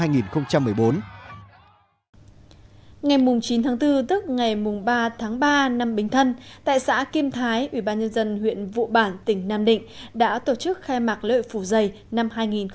ngày chín tháng bốn tức ngày ba tháng ba năm bình thân tại xã kim thái ủy ban nhân dân huyện vụ bản tỉnh nam định đã tổ chức khai mạc lợi phủ dày năm hai nghìn một mươi sáu